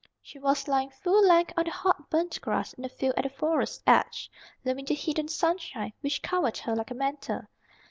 She was lying full length on the hot burnt grass in the field at the Forest's edge, loving the heat and sunshine, which covered her like a mantle.